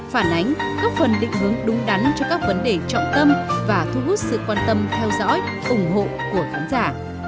phản ánh góp phần định hướng đúng đắn cho các vấn đề trọng tâm và thu hút sự quan tâm theo dõi ủng hộ của khán giả